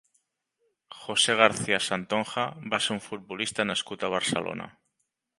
José García Santonja va ser un futbolista nascut a Barcelona.